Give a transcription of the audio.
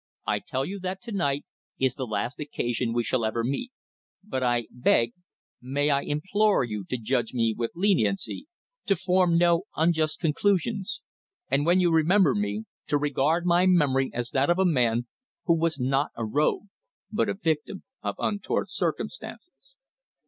"I tell you that to night is the last occasion we shall ever meet, but I beg may I implore you to judge me with leniency, to form no unjust conclusions, and when you remember me to regard my memory as that of a man who was not a rogue, but a victim of untoward circumstances."